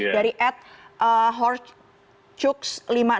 dari at horchuks lima ratus enam puluh tujuh